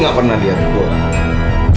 lo gak pernah lihat gue